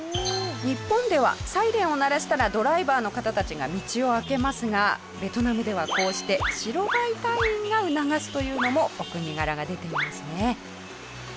日本ではサイレンを鳴らしたらドライバーの方たちが道をあけますがベトナムではこうして白バイ隊員が促すというのもお国柄が出ていますね。